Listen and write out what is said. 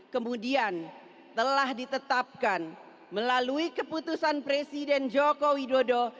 kemudian telah ditetapkan melalui keputusan presiden joko widodo